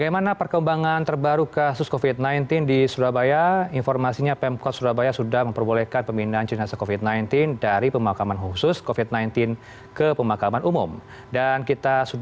ada dari pihak keluarga yang sudah mengajukan permohonan ini untuk pemindahan makam